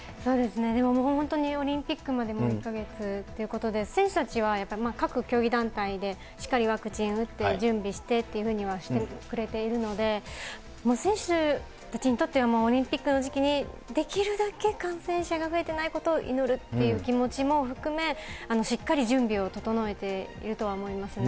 でも本当にオリンピックまでもう１か月ということで、選手たちはやっぱり各競技団体でしっかりワクチン打って、準備してっていうふうにしてくれているので、選手たちにとっては、オリンピックの時期にできるだけ感染者が増えてないことを祈るっていう気持ちも含め、しっかり準備を整えているとは思いますね。